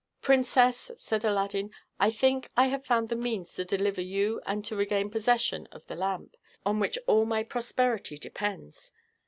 "Princess," said Aladdin, "I think I have found the means to deliver you and to regain possession of the lamp, on which all my prosperity depends.